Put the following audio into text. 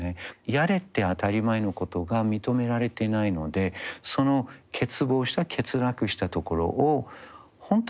やれて当たり前のことが認められてないのでその欠乏した欠落したところを本当は回復することなんですよね。